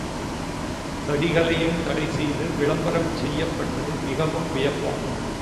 தடிகளையும் தடைசெய்து விளம்பரஞ் செய்யப்பட்டது மிகவும் வியப்பாகும்!